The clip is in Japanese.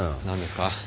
何ですか？